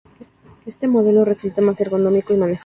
Este modelo resulta más ergonómico y manejable.